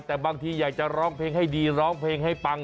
แต่บางทีอยากจะร้องเพลงให้ดีร้องเพลงให้ปัง